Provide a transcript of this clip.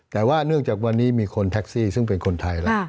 แต่ว่าเนื่องจากวันนี้มีคนแท็กซี่ซึ่งเป็นคนไทยแล้ว